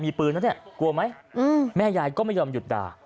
มีปืนนะเนี่ยกลัวไหมแม่ยายก็ไม่ยอมหยุดด่า